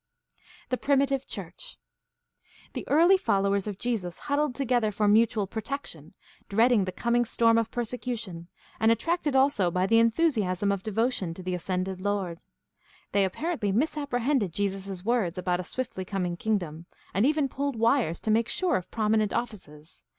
The primitive church.^ The early followers of Jesus huddled together for mutual protection, dreading the coming storm of persecution, and attracted also by the enthusiasm of devotion to the ascended Lord. They apparently mis apprehended Jesus' words about a swiftly coming Kingdom, and even pulled wires to make sure of prominent offices.